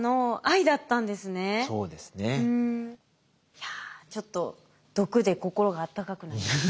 いやちょっと毒で心が温かくなりました。